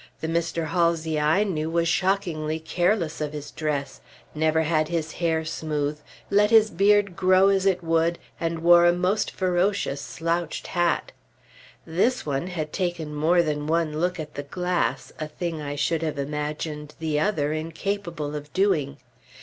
The Mr. Halsey I knew was shockingly careless of his dress, never had his hair smooth; let his beard grow as it would, and wore a most ferocious slouched hat. This one had taken more than one look at the glass, a thing I should have imagined the other incapable of doing.